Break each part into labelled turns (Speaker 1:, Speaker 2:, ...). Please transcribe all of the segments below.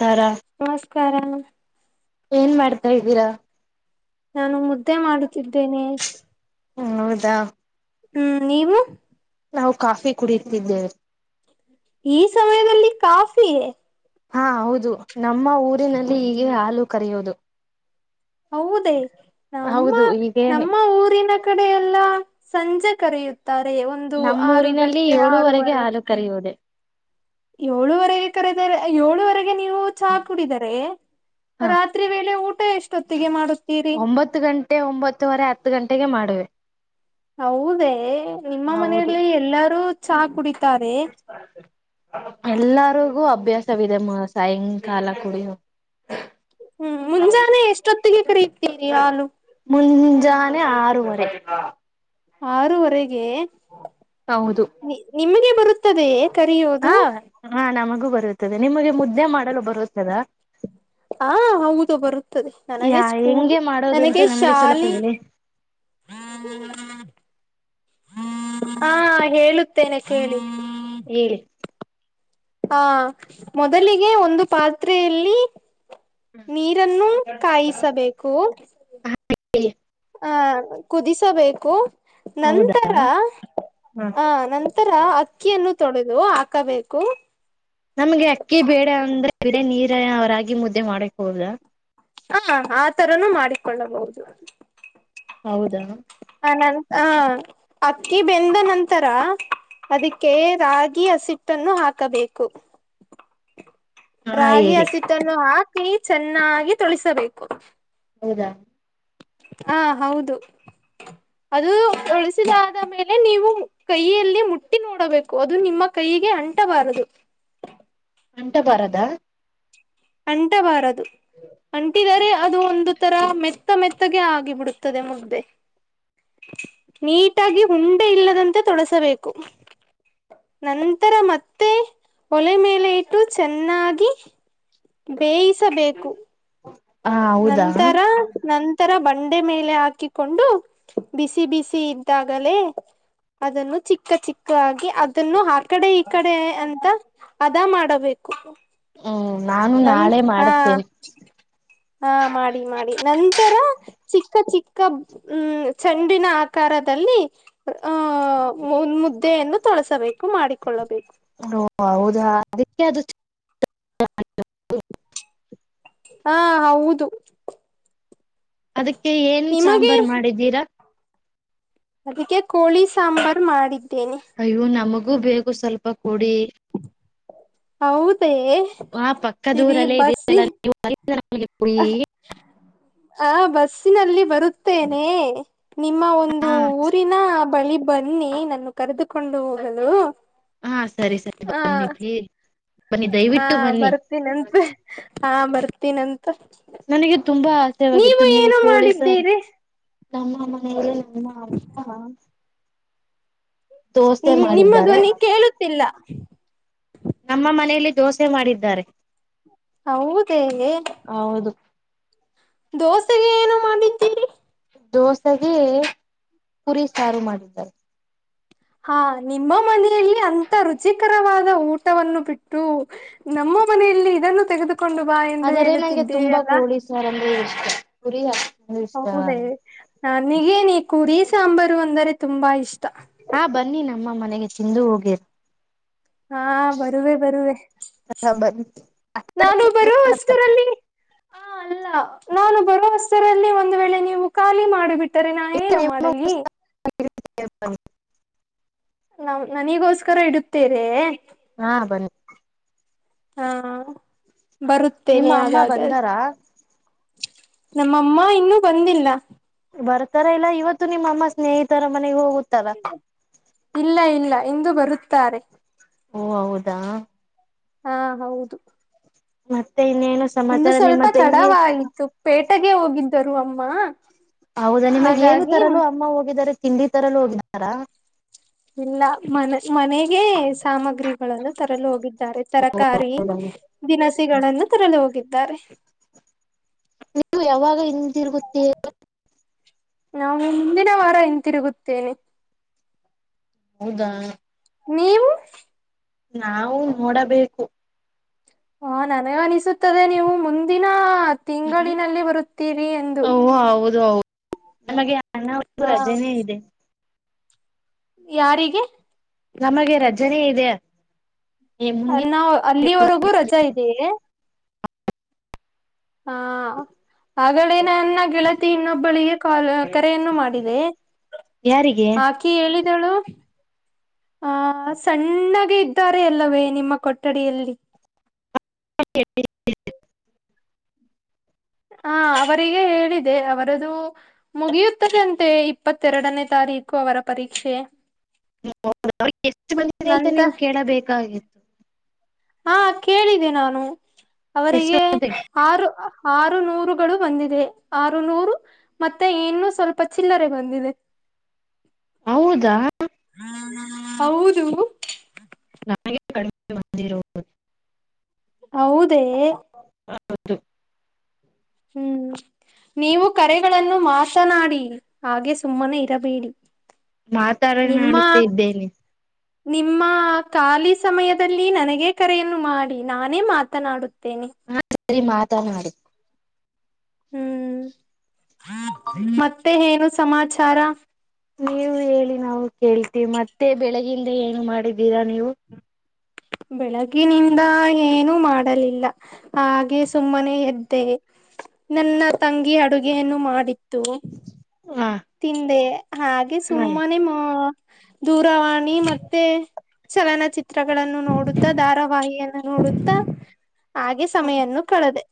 Speaker 1: ಕರ
Speaker 2: ಕರ
Speaker 1: ಏನ್ ಮಾಡ್ತಾ ಇದ್ದೀರಾ
Speaker 2: ನಾನು ಮುದ್ದೆ ಮಾಡುತ್ತಿದ್ದೇನೆ.
Speaker 1: ತ್ತ
Speaker 2: ಹ್ಮ್ ನೀವು
Speaker 1: ನಾವು ಕಾಫಿ ಕುಡಿಯುತ್ತಿದ್ದೇವೆ.
Speaker 2: ಈ ಸಮಯದಲ್ಲಿ ಕಾಫಿ
Speaker 1: ಹಾ ಹೌದು ನಮ್ಮ ಊರಿನಲ್ಲಿ ಹೀಗೆ ಹಾಲು ಕರೆಯೋದು.
Speaker 2: ಹೌದೇ ನಮ್ಮ
Speaker 1: ಹೌದು ಹೀಗೆ
Speaker 2: ನಮ್ಮ ಊರಿನ ಕಡೆ ಎಲ್ಲ ಸಂಜೆ ಕರೆಯುತ್ತಾರೆ ಒಂದು ಆರು
Speaker 1: ನಮ್ಮೂರಿನಲ್ಲಿ
Speaker 2: ಗಂಟೆ
Speaker 1: ಏಳುವರೆಗೆ
Speaker 2: ಆರೂವರೆ.
Speaker 1: ಹಾಲು ಕರೆಯೋದೆ
Speaker 2: ಏಳುವರೆಗೆ ಕರೆದರೆ ಏಳುವರೆಗೆ ನೀವು ಚಹಾ ಕುಡಿದರೆ
Speaker 1: ಹಾ
Speaker 2: ರಾತ್ರಿ ವೇಳೆ ಊಟ ಎಷ್ಟೊತ್ತಿಗೆ ಮಾಡುತ್ತೀರಿ.
Speaker 1: ಒಂಬತ್ತು ಗಂಟೆ ಒಂಬತ್ತುವರೆ ಹತ್ತು ಗಂಟೆಗೆ ಮಾಡುವೆ
Speaker 2: ಹೌದ ನಿಮ್ಮ ಮನೆಯಲ್ಲಿ ಎಲ್ಲಾರು ಚಾ ಕುಡಿ
Speaker 1: ಎಲ್ಲಾರು ಗು ಅಭ್ಯಾಸವಿದೆ ಮ ಸಾಯಂಕಾಲ ಕುಡಿ
Speaker 2: ಹ್ಮ್ ಮುಂಜಾನೆ ಎಷ್ಟೊತ್ತಿಗೆ ಕರೀತೀರಿ ಹಾಲು.
Speaker 1: ಜಾನೆ ಆರುವರೆ.
Speaker 2: ಆರೂವರೆಗೆ
Speaker 1: ಹೌದು
Speaker 2: ನಿ ನಿಮಗೆ ಬರುತ್ ತ್ತದೆಯೇ ಕರೆಯೋದು.
Speaker 1: ಹಾ ಹಾ ನಮಗೂ ಬರುತ್ತದೆ ನಿಮಗೆ ಮುದ್ದೆ ಮಾಡಲು ಬರುತ್ತದಾ.
Speaker 2: ಹಾ ಹೌದು ಬರುತ್ತದೆ ನನಗೆ
Speaker 1: ಯಾ
Speaker 2: ಸ್ಕೂಲ್
Speaker 1: ಹೆಂಗೆ
Speaker 2: ನನಗೆ
Speaker 1: ಮಾಡೋದಂತೂ ನಮಗೆ ಸ್ವಲ್ಪ
Speaker 2: ಶಾಲಿ [inaudible]
Speaker 1: ಹೇಳಿ
Speaker 2: ಹಾ ಹೇಳುತ್ತೇನೆ ಕೇಳಿ.
Speaker 1: ಹೇಳಿ
Speaker 2: ಹಾ ಮೊದಲಿಗೆ ಒಂದು ಪಾತ್ರೆಯಲ್ಲಿ ನೀರನ್ನು ಕಾಯಿಸಬೇಕು.
Speaker 1: ಹ
Speaker 2: ಹ ಕುದಿಸಬೇಕು.
Speaker 1: ಹೌದಾ
Speaker 2: ನಂತರ
Speaker 1: ಹ
Speaker 2: ಆ ನಂತರ ಅಕ್ಕಿಯನ್ನು ತೊಳೆದು ಹಾಕಬೇಕು.
Speaker 1: ನಮ್ಗೆ ಅಕ್ಕಿ ಬೇಡ ಅಂದ್ರೆ ಬರೆ ನೀರ ರಾಗಿ ಮುದ್ದೆ ಮಾಡಕ್ ಹೋದ.
Speaker 2: ಹಾ ಆ ತರನೂ ಮಾಡಿಕೊಳ್ಳಬಹುದು.
Speaker 1: ಹೌದಾ
Speaker 2: ಹಾ ಅಕ್ಕಿ ಬೆಂದ ನಂತರ ಅದಕ್ಕೆ ರಾಗಿ ಹಸಿಟ್ಟನ್ನು ಹಾಕಬೇಕು.
Speaker 1: ಹಾ
Speaker 2: ರಾಗಿ
Speaker 1: ಹೇಳಿ
Speaker 2: ಹಸಿಟ್ಟನ್ನು ಹಾಕಿ ಚೆನ್ನಾಗಿ ತೊಳಿಸಬೇಕು.
Speaker 1: ಹೌದಾ
Speaker 2: ಹಾ ಹೌದು. ಅದು ಉಳಸಿದಾದ ಮೇಲೆ ನೀವು ಕೈಯಲ್ಲಿ ಮುಟ್ಟಿ ನೋಡಬೇಕು ಅದು ನಿಮ್ಮ ಕೈ ಹೀಗೆ ಅಂಟಬಾರದು.
Speaker 1: ಅಂಟಬಾರದಾ.
Speaker 2: ಅಂಟಬಾರದು ಅಂಟಿದರೆ ಅದು ಒಂದು ತರ ಮೆತ್ತ ಮೆತ್ತಗೆ ಆಗಿ ಬಿಡುತ್ತದೆ ಮುದ್ದೆ. ನೀಟಾಗಿ ಹುಂಡೆ ಇಲ್ಲದಂತೆ ತೊಳಸಬೇಕು. ನಂತರ ಮತ್ತೆ ಒಲೆ ಮೇಲೆ ಇಟ್ಟು ಚೆನ್ನಾಗಿ ಬೇಯಿಸಬೇಕು.
Speaker 1: ಹ ಹೌದಾ
Speaker 2: ನಂತರ ನಂ ತರ ಬಂಡೆ ಮೇಲೆ ಹಾಕಿಕೊಂಡು ಬಿಸಿ ಬಿಸಿ ಇದ್ದಾಗಲೇ ಅದನ್ನು ಚಿಕ್ಕ ಚಿಕ್ಕ ಆಗಿ ಅದನ್ನು ಆ ಕಡೆ ಈ ಕಡೆ ಅಂತ ಅದಾ ಮಾಡಬೇಕು.
Speaker 1: ಹ್ಮ್ ನಾನು
Speaker 2: ನನ್
Speaker 1: ನಾಳೆ
Speaker 2: ಹಾ
Speaker 1: ಮಾಡುತ್ತೇನೆ.
Speaker 2: ಹಾ ಮಾಡಿ ಮಾಡಿ ನಂತರ ಚಿಕ್ಕ ಚಿಕ್ಕ ಹ್ಮ್ ಚೆಂಡಿನ ಆಕಾರ ದಲ್ಲಿ ಆ ಮುದ್ದೆಯನ್ನು ತೊಳಸಬೇಕು. ಮಾಡಿಕೊಳ್ಳಬೇಕು
Speaker 1: ಓ ಹೌದಾ ಅದಕ್ಕೆ ಅದು [inaudible]
Speaker 2: ಹಾ ಹೌದು.
Speaker 1: ಅದಕ್ಕೆ ಏನ್
Speaker 2: ನಿಮಗೆ
Speaker 1: ಸಾಂಬಾರ್ ಮಾಡಿದ್ದೀರಾ.
Speaker 2: ಅದಕ್ಕೆ ಕೋಳಿ ಸಾಂಬಾರ್ ಮಾಡಿ
Speaker 1: ಅಯ್ಯೋ! ನಮಗೂ ಬಗು ಸ್ವಲ್ಪ ಕೊಡಿ.
Speaker 2: ಮತ್ತೇ
Speaker 1: ಆ ಪಕ್ಕದ
Speaker 2: ತಿರಿ ಬಸಿ [unintelligible]
Speaker 1: ಹ [unintelligible]
Speaker 2: ಹಾ, ಬಸ್ಸಿನಲ್ಲಿ ಬರುತ್ತೇನೆ. ನಿಮ್ಮ ಒಂದು
Speaker 1: ಹಾ
Speaker 2: ಊರಿನ ಬಳಿ- ಬನ್ನಿ ನನ್ನನ್ನು ಕರೆದುಕೊಂಡು ಹೋಗಲು.
Speaker 1: ಹಾ ಸರಿ -ಸರಿ
Speaker 2: ಹ
Speaker 1: ಬನ್ನಿ -ಬನ್ನಿ
Speaker 2: ಹಾ,
Speaker 1: ದಯವಿಟ್ಟು ಬನ್ನಿ
Speaker 2: ಬರ್ತೀನಂತೆ ಹಾ, ಬರ್ತೀನಂತೆ
Speaker 1: ನನಗೆ ತುಂಬಾ ಆಸೆವಾಗಿತ್ತು ನೀವು
Speaker 2: ಏನು
Speaker 1: ಕೋಳಿ ಸಾರ್-
Speaker 2: ಮಾಡಿದ್ದೀರಿ
Speaker 1: ನಮ್ಮ ಮನೆಯಲ್ಲಿ ನಮ್ಮ ಅಮ್ಮ- ದೋಸೆ
Speaker 2: ನಿನ್ ನಿಮ್ಮ
Speaker 1: ಮಾಡಿದ್ದಾರೆ.
Speaker 2: ಧ್ವನಿ ಕೇಳುತ್ತಿಲ್ಲ
Speaker 1: ನಮ್ಮ ಮನೆಯಲ್ಲಿ ದೋಸೆ ಮಾಡಿದ್ದಾರೆ.
Speaker 2: ಹೌದೇ,,
Speaker 1: ಹೌದು
Speaker 2: ದೋಸೆೆಗೆ ಏನು ಮಾಡಿದ್ದೀರಿ.,
Speaker 1: ದೋಸೆಗೆ ಪುರಿ ಸಾರು ಮಾಡಿದ್ದಾರೆ.
Speaker 2: ಹಾ, ನಿಮ್ಮ ಮನೆಯಲ್ಲಿ ಅಂತ ರುಚಿ ಕರವಾದ ಊಟವನ್ನು ಬಿಟ್ಟು ನಮ್ಮ ಮನೆಯಲ್ಲಿ ಇದನ್ನು ತೆಗೆದು
Speaker 1: ಆದರೆ ನಂಗೆ ತುಂಬಾ ಕೋಳಿ ಸಾರ್ ಅಂದ್ರೆ ಇಷ್ಟ. ಕುರಿಯ-
Speaker 2: ಹೌದೇ, ನನಗೇನ ಕುರಿ ಸಾಂಬಾರು ಅಂದರೆ ತುಂಬಾ ಇಷ್ಟ
Speaker 1: ಹಾ, ಬನ್ನಿ ನಮ್ಮ ಮನೆಗೆ ತಿಂದು ಹೋಗೇರೆ,
Speaker 2: ಹಾ, ಬರುವೆ- ಬರುವೆ.
Speaker 1: ಹಾ ಬನ್ನಿ
Speaker 2: ನಾನು ಬರುವಷ್ಟರಲ್ಲಿ, ಹಾ, ಅಲ್ಲ ನಾನು ಬರುವಷ್ಟರಲ್ಲಿ ಹೆಸರಲ್ಲಿ ಒಂದ್ ವೇಳೆ ನೀವು ಖಾಲಿ ಮಾಡಿ ಬಿಟ್ಟರೆ ನಾ ಏನು ಮಾಡಲಿ.
Speaker 1: [unintelligible]
Speaker 2: ನ, ನನೀಗೋಸ್ಕರ ಇಡುತ್ತೇರೆ,,
Speaker 1: ಹಾ, ಬನ್ನಿ-
Speaker 2: ಹಾ,
Speaker 1: ನಿಮ್ಮ
Speaker 2: ಬರುತ್ತೇನೆ
Speaker 1: ಅಮ್ಮ
Speaker 2: ಹಾಗಾದರೆ.
Speaker 1: ಬಂದಾರಾ
Speaker 2: ನಮ್ಮಮ್ಮ ಇನ್ನೂ ಬಂದಿಲ್ಲ.
Speaker 1: ಬರ್ತಾರ ಇಲ್ಲ ಇವತ್ತು ನಿಮ್ಮ ಅಮ್ಮ ಸ್ನೇಹಿತರ ಮನೆಗೆ ಹೋಗ
Speaker 2: ಇಲ್ಲ- ಇಲ್ಲ ಇಂದು ಬರುತ್ತಾರೆ‌
Speaker 1: ಓ, ಹೌದಾ!
Speaker 2: ಹಾ, ಹೌದು-
Speaker 1: ಮತ್ತ [inaudible]
Speaker 2: ಒಂದು ಸ್ವಲ್ಪ ತಡಾವ ಆಯತು ಪೇಟೆಗೆ ಹೋಗಿದ್ದರು ಅಮ್ಮಾ.
Speaker 1: ಹೌದಾ, ನಿಮಗ್ ಏನು ತರಲು ಅಮ್ಮ ಹೋಗಿದ್ದಾರೆ ತಿಂಡಿ ತರಲೂ ಹೋಗಿದ್ದಾರಾ.
Speaker 2: ಇಲ್ಲ ಮ, ಮನೆಗೆ ಸಾಮಗ್ರಿಗಳನ್ನು ತರಲು ಹೋಗಿದ್ದಾರೆ. ತರಕಾರಿ
Speaker 1: ಹೌದಮ್ಮ
Speaker 2: ದಿನಸಿಗಳನ್ನು ತರಲು ಹೋಗಿದ್ದಾರೆ.
Speaker 1: ನೀವು ಯಾವಾಗ ಹಿಂದಿರುಗುತ್ತೀ
Speaker 2: ನಾ ಮುಂದಿನ ವಾರ ಹಿಂತಿರುಗುತ್ತೇನೆ.
Speaker 1: ಹೌದಾ,
Speaker 2: ನೀವು
Speaker 1: ನಾವು ನೋಡಬೇಕು.
Speaker 2: ಹಾ ನನಗಅನಿಸುತ್ತ- ನೀವು ಮುಂದಿನ ತಿಂಗಳಿನಲ್ಲಿ ಬರುತ್ತೀರಿ ಎಂದು.
Speaker 1: ಹೋ [unintelligible]
Speaker 2: ಹ
Speaker 1: ರಜೆನೇ ಇದೆ.
Speaker 2: ಯಾರಿಗೆ-
Speaker 1: ನಮಗೆ ರಜನೆ ಇದೆ. ಮುಂದಿನ
Speaker 2: ನಾ, ಅಲ್ಲಿವರೆಗೂ ರಜಾ ಇದೇಯೆ- ಹಾ [unintelligible] ಆಗಲೇ ನನ್ನ ಗೆಳತಿ ಇನ್ನೊಬ್ಬಳಿಗೆ ಕಾ ಕರೆಯನ್ನು ಮಾಡಿದೆ.
Speaker 1: ಯಾರಿಗೆ
Speaker 2: ಆಕೆ ಹೇಳಿದಳು- ಆ ಸಣ್ಣಾಗ ಇದ್ದಾರೆ ಎಲ್ಲವೇ ನಿಮ್ಮ ಕೊಠಡಿಯಲ್ಲಿ
Speaker 1: ಹ
Speaker 2: ಹಾ ಅವರಿಗೆ ಹೇಳಿದೆ ಅವರದು ಮುಗಿಯುತ್ತದ ಅಂತೆ ಇಪ್ಪತ್ತೆರಡನೇ ತಾರೀಕ ು ಅವರ ಪರೀಕ್ಷೆ
Speaker 1: ಎಷ್ಟು ಬಂದಿದೆ ಅಂತ
Speaker 2: ನಂತ
Speaker 1: ನೀವು ಕೇಳಬೇಕಾಗಿತ್ತು
Speaker 2: ಹಾ ಕೇಳಿದೆೆ ನಾನು
Speaker 1: ಎಷ್ಟು
Speaker 2: ಅವರಿಗೆ
Speaker 1: ಬಂದಿದೆ
Speaker 2: ಆರು ಆರು ನೂರುಗಳು ಬಂದಿದೆ ಆರು ನೂರು ಮತ್ತೆ ಇನ್ನು ಸ್ವಲ್ಪ ಚಿಲ್ಲರೆ ಬಂದಿದೆ [inaudible]
Speaker 1: ಹೌದಾ
Speaker 2: ಹೌದು
Speaker 1: ನ ಕಡಿಮೆ ಬಂದಿರುವುದು
Speaker 2: ಹೌದೇ
Speaker 1: ಹೌದು
Speaker 2: ಹ್ಮ್ ನೀವು ಕರೆಗಳನ್ನು ಮಾಶನಾಡಿ ಹಾಗೆ ಸುಮ್ಮನೆ ಇರಬೇಡಿ
Speaker 1: ಮಾತಾಡ ನುತ್ತ
Speaker 2: ನಿಮ್ಮ
Speaker 1: ಇದ್ದೇನೆ
Speaker 2: ನಿಮ್ಮ ಖಾಲಿ ಸಮಯದಲ್ಲಿ ನನಗ ಕರೆಯನ್ನು ಮಾಡಿ ನಾನೇ ಮಾತನಾಡುತ್ತ ತನಿ
Speaker 1: ಹಾ ಸರಿ ಮಾತನಾಡಿ
Speaker 2: ಹ್ಮ್ ಮತ್ತೆ ಏನು ಸಮಾಚಾರ
Speaker 1: ನೀವು ಹೇಳಿ ನಾವು ಕೇಳ್ತಿೀ ಮತ್ತೆ ಬೆಳಗಿಂದ ಏನು ಮಾಡಿದ್ದೀರಾ ನೀವು
Speaker 2: ಬೆಳಗಿನಿಂದ ಏನುೂ ಮಾಡಲಿಲ್ಲ ಹಾಗೆ ಸುಮ್ಮನೆ ಎದ್ದೆ ನನ್ನ ತಂಗಿ ಅಡುಗೆಯನು ಮಾಡಿತ್ತು
Speaker 1: ಹ
Speaker 2: ತಿಂದೆ ಹಾಗೆ ಸುಮ್ಮನೆ ಮ ದೂರವಾಣಿ ಮತ್ತೆ ಚಲನಚಿತ್ರ ಚಿತ್ರಗಳನ್ನು ನೋಡುತ್ತಾ ಧಾರಾವಾಹಿಯನ್ನು ನೋಡುತ್ತಾ ಹಾಗೆ ಸಮಯನ್ನು ಕಳೆದೆ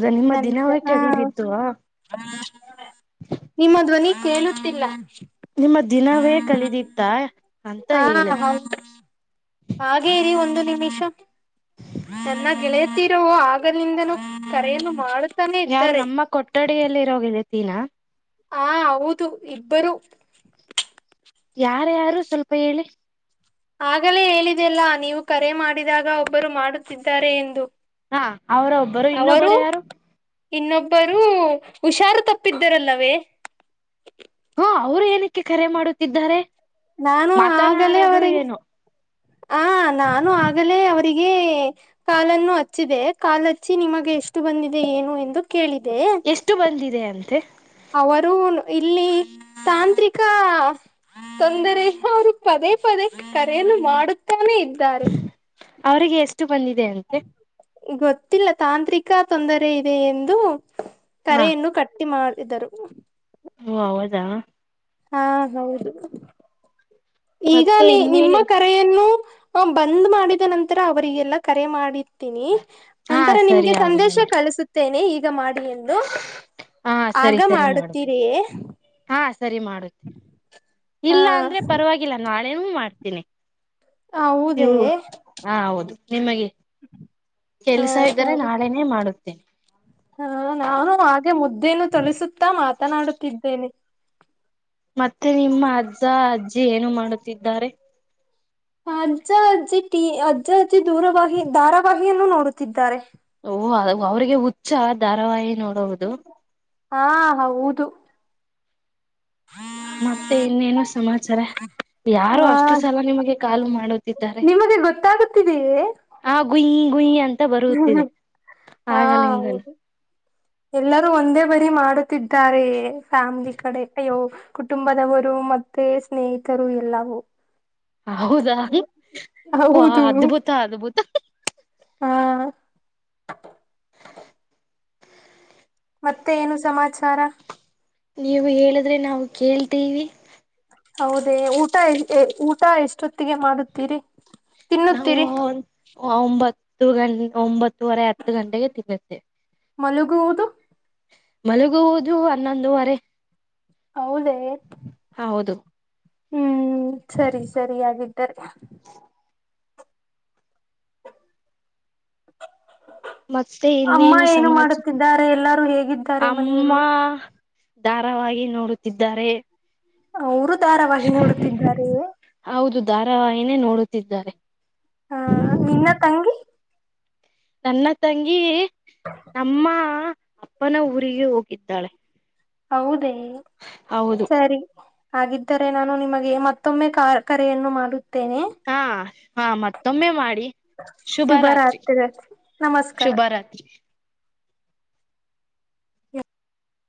Speaker 1: ಅದು ನಿಮ್ಮ
Speaker 2: ನಂತ
Speaker 1: ದಿನವೇ
Speaker 2: ಹ
Speaker 1: ಕಡಿದಿತ್ತುವಾ
Speaker 2: ನಿಮ್ಮ ಧ್ವನಿ ಕೇಳುತ್ತಿಲ್ಲ
Speaker 1: ನಿಮ್ಮ ದಿನವೇ ಕಲಿದತ್ತ ಅಂತ
Speaker 2: ಹ
Speaker 1: ಹೇಳಿದ್
Speaker 2: ಹೌದು ಹಾಗೆ ಇ ಒಂದು ನಿಮಿಷನ್ನ ಗೆಳರೋ ಆಗದಿಂದ ಕರ ಮಾಡ
Speaker 1: ಯಾರು ನಮ್ಮ ಕೊಠಡಿಯಲ್ಲಿ ಇರೋಗಿದೆ ತೀನಾ
Speaker 2: ಹಾ ಹೌದು ಇಬ್ಬರು
Speaker 1: ಯಾರ ಯಾರು ಸ್ವಲ್ಪ ಹೇಳಿ
Speaker 2: ಆಗಲೇ ಹೇಳಿದೆಲ್ಲಾ ನೀವು ಕರೆ ಮಾಡಿದಾಗ ಒಬ್ಬರು ಮಾಡುತ್ತಿದ್ದಾರೆ ಎಂದು
Speaker 1: ಹಾ ಅವರ ಒಬ್ಬರು
Speaker 2: ಅವರು
Speaker 1: ಇನ್ನೊಬ್ಬರು ಯಾರು
Speaker 2: ಇನ್ನೊಬ್ಬರು ಹುಷಾರು ತಪ್ಪಿದ್ದರಲ್ಲವೇ
Speaker 1: ಹ ಅವ್ರು ಏನಕ್ಕೆ ಕರೆ ಮಾಡುತ್ತಿದ್ದಾರೆ
Speaker 2: ನಾನು
Speaker 1: ಮಾತಾಡ ಆಡಲು ಏನು
Speaker 2: ಹ ನಾನು ಆಗಲೇ ಅವ ಿಗೆ ಕಾಲನ್ನು ಹಚ್ಚಿದೆ ಕಾಾಲ ಹಚ್ಚಿ ನಿಮಗೆ ಎಷ್ಟು ಬಂದಿದೆ ಏನು ಎಂದು ಕೇಳಿ
Speaker 1: ಎಷ್ಟು ಬಂದಿದೆ ಅಂತೆ
Speaker 2: ಅವರು ಇಲ್ಲಿ ತಾಂತ್ರಿಕ ತೊಂದರೆಯರುಪದೆ ಪದಕ್ಕೆ ಕರೆಯನ್ನು ಮಾಡುತ್ತಾನೇ ಇದ್ದಾರೆ
Speaker 1: ಅವರಿಗೆ ಎಷ್ಟು ಬಂದಿದೆ ಅಂತೆ
Speaker 2: ಗೊತ್ತಿಲ್ಲ ತಾಂತ್ರಿಕ ತೊಂದರೆ ಇದೆ ಎಂದು
Speaker 1: ಹಾ
Speaker 2: ಕರೆಯನ್ನು ಕಟ್ಟಿ ಮಾಡಿದರು
Speaker 1: ಓ ಹದಾ
Speaker 2: ಹಾ ಹೌದು ಈಗ
Speaker 1: ಮತ್ತೆ
Speaker 2: ನೀ ನಿಮ್ಮ
Speaker 1: ಇನ್ನೇನು
Speaker 2: ಕರೆಯನ್ನು ಹ ಬಂದ್ ಮಾಡಿದ ನಂತರ ಅವ್ರರಿಗೆಲ್ಲ ಕರೆ ಮಾಡಿ
Speaker 1: ಹಾ
Speaker 2: ನಂತರ
Speaker 1: ಸರಿ
Speaker 2: ನಿಮ್ಗೆ
Speaker 1: ಆಗಲೇ
Speaker 2: ಸಂದೇಶ
Speaker 1: ಮಾಡಿ
Speaker 2: ಕಳಿಸುತ್ತೇನೆ ಈಗ ಮಾಡಿ ಎಂದು
Speaker 1: ಹಾ
Speaker 2: ಆಗ
Speaker 1: ಸರಿ ಸರಿ ಮಾಡುತ್ತೇನೆ
Speaker 2: ಮಾಡತೀರಿಯ
Speaker 1: ಹಾ ಸರಿ ಮಾಡುತ್ತೆ
Speaker 2: ಹ
Speaker 1: ಇಲ್ಲ ಅಂದ್ರೆ ಪರವಾಗಿಲ್ಲ ನಾಳೇನ ಮಾಡ್ತೀನಿ
Speaker 2: ಹೌದೇ
Speaker 1: ನೀವು ಹಾ ಹೌದು ನಿಮಗೆ
Speaker 2: ಹ
Speaker 1: ಕೆಲ್ಸ ಇದ್ದರೆ
Speaker 2: ಸರಿ
Speaker 1: ನಾಳೆನೇ ಮಾಡುತ್ತೇನೆ
Speaker 2: ಹಾ ನಾನು ಹಾಗೆ ಮುದ್ದೇನು ತಳಿಸುತ್ತಾ ಮಾತನಾಡುತ್ತಿದ್ದೇನೆ
Speaker 1: ಮತ್ತೆ ನಿಮ್ಮ ಅಜ್ಜ ಅಜ್ಜಿ ಏನು ಮಾಡುತ್ತಿದ್ದಾರೆ
Speaker 2: ಅಜ್ಜ ಅಜ್ಜಿ ಟಿ ಅಜ್ಜ ಅಜ್ಜಿ ದೂರವಹಿ ಧಾರಾವಾಹಿಯನ್ನು ನೋಡುತ್ತಿದ್ದಾರೆ
Speaker 1: ಓ ಅವ್ರಿಗೆ ಹುಚ್ಚ ಧಾರಾವಾಹಿ ನೋಡುವುದು
Speaker 2: ಹಾ ಹೌದು
Speaker 1: ಮತ್ತೆ ಇನ್ನೇನು ಸಮಾಚಾರ
Speaker 2: ಹಾ
Speaker 1: ಯಾರೋ ಅಷ್ಟು ಸಲ ನಿಮಗೆ ಕಾಲು ಮಾಡುತ್ತಿದ್ದಾರೆ
Speaker 2: ತ
Speaker 1: ಗುಂ ಗುಂಯನ್
Speaker 2: ಹ ಹೌದು ಎಲ್ಲರೂ ಒಂದೇ ಬರಿ ಮಾಡ ದ್ದಾರೆ ಫ್ಯಾಮಿಲಿ ಕಡೆ ಅಯ್ಯೋ ಕುಟುಂಬದವರು ಮತ್ತೆ ಸ್ನೇಹಿತರು ಎಲ್ಲವುೂ
Speaker 1: ಹೌದಾ ವ
Speaker 2: ಹೌದು
Speaker 1: ಅದ್ಭುತ ಅದ್ಭುತ
Speaker 2: ಹಾ ಮತ್ತೆ ಏನು ಸಮಾಚಾರ
Speaker 1: ನೀವು ಹೇಳಿದ್ರೆ ನಾವು ಕೇಳ್ತೀವಿ
Speaker 2: ಹೌದೇ ಊಟ ಎ ಊಟ ಎಷ್ಟೊತ್ತಿಗೆ ಮಾಡುತ್ತೀರಿ
Speaker 1: ನಾವು
Speaker 2: ತಿನ್ನುತ್ತೀರಿ
Speaker 1: ಒಂಬತ್ತು ಹತ್ತು ಗ ಒಂಬತ್ತುವರೆ ಹತ್ತು ಗಂಟೆಗೆ ತಿನ್ನತ್ತೆ
Speaker 2: ಮಲುಗ ತ
Speaker 1: ಮಲಗುವುದು ಹನ್ನೊಂದುವರೆ
Speaker 2: ಹೌದ
Speaker 1: ಹಾ ಹೌದು
Speaker 2: ಹ್ಮ್ ಸರಿ ಸರಿ ಹಾಗಗಿದ್ದಾರೆ
Speaker 1: ಮತ್ತೆ
Speaker 2: ಅಮ್ಮ
Speaker 1: ಇನ್ನೇನು
Speaker 2: ಏನು
Speaker 1: ಸಮಾಜ
Speaker 2: ಮಾಡುತ್ತಿದ್ದಾರೆ ಎಲ್ಲಾರು ಹೇಗಿದ್ದಾರೆ
Speaker 1: ಅಮ್ಮ
Speaker 2: ಮನೆಯಲ್ಲಿ
Speaker 1: ಧಾರಾವವಾಗಿ ನೋಡುತ್ತಿದ್ದಾರೆ
Speaker 2: ಅವರು ಧಾರಾವಾಹಿ ನೋಡುತ್ತಿದ್ದಾರೆ
Speaker 1: ಹೌದು ಧಾರಾವಾಹಿನೇ ನೋಡುತ್ತಿದ್ದಾರೆ
Speaker 2: ಹಾ ನಿನ್ನ ತಂಗಿ
Speaker 1: ನನ್ನ ತಂಗಿ ನಮ್ಮ ಅಪ್ಪನ ಊರಿಗೆ ಹೋಗಿದ್ದಾಳೆ
Speaker 2: ಹೌದೇ
Speaker 1: ಹೌದು
Speaker 2: ಸರಿ ಹಾಗಿದ್ದರೆ ನಾನು ನಿಮಗೆ ಮತ್ತೊಮ್ಮೆ ಕ ಕರೆಯನ್ನು ಮಾಡುತ್ತೇನೆ
Speaker 1: ಹಾ ಹಾ ಮತ್ತೊಮ್ಮೆ ಮಾಡಿ ಶುಭ ರಾತ್ರಿ
Speaker 2: ಶುಭರಾತ್ರಿ ನಮಸ್ಕಾರ
Speaker 1: ಶುಭ ರಾತ್ರಿ